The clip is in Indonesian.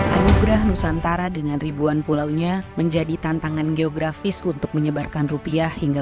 anugerah nusantara dengan ribuan pulaunya menjadi tantangan geografis untuk menyebarkan rupiah hingga